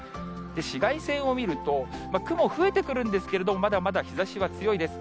紫外線を見ると、雲増えてくるんですけれども、まだまだ日ざしは強いです。